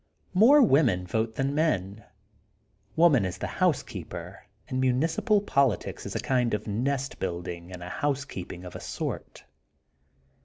More women vote than men. Woman is the housekeeper and municipal politics is a kind of nest building and a house keeping of a sort.